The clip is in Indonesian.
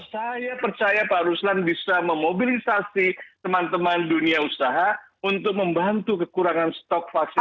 saya percaya pak ruslan bisa memobilisasi teman teman dunia usaha untuk membantu kekurangan stok vaksin